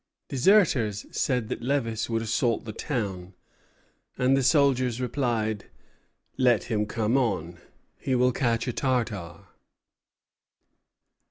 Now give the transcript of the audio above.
Deserters said that Lévis would assault the town; and the soldiers replied: "Let him come on; he will catch a Tartar."